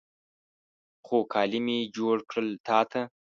خو، کالي مې جوړ کړل تا ته